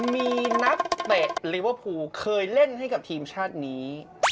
มีนักเตะลิเวอร์พูลเคยเล่นให้กับทีมชาตินี้